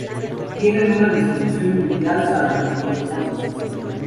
Tienen una distribución mundial, salvo los polos.